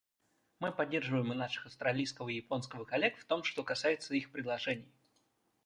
Мы поддерживаем и наших австралийского и японского коллег в том, что касается их предложений.